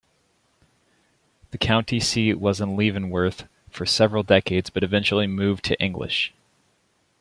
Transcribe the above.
The county seat was in Leavenworth for several decades but eventually moved to English.